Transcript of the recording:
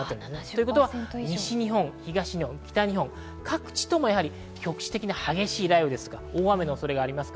ということは西日本、東日本、北日本、各地とも局地的な激しい雷雨ですとか、大雨の恐れがあります。